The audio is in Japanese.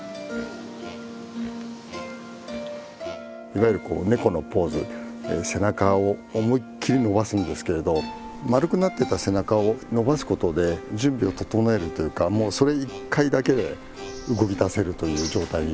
いわゆるこうネコのポーズ背中を思いっきり伸ばすんですけれど丸くなってた背中を伸ばすことで準備を整えるというかもうそれ一回だけで動きだせるという状態にもうなってしまうんですね。